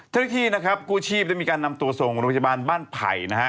เทศที่กู้ชีพได้มีการนำตัวส่งบริเวณบ้านไผ่นะฮะ